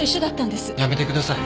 やめてください。